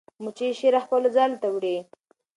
مچۍ شیره خپلو ځالو ته وړي.